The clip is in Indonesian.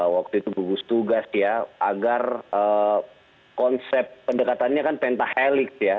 waktu itu gugus tugas ya agar konsep pendekatannya kan pentahelix ya